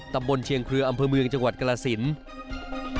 ตำบลเชียงเครืออำเภอเมืองจังหวัดกรสิน